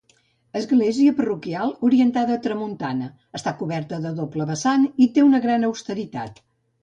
Església parroquial orientada a tramuntana; està coberta a doble vessant i té una gran austeritat.